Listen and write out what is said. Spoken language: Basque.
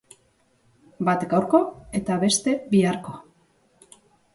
Bat gaurko eta beste biharko.